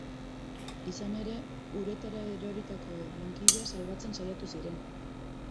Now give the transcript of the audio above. Izan ere, uretara eroritako lankidea salbatzen saiatu ziren.